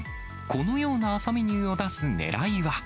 このような朝メニューを出すねらいは。